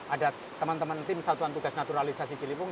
ada teman teman tim satuan tugas naturalisasi cilipung